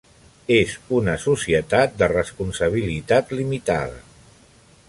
És una societat de responsabilitat limitada.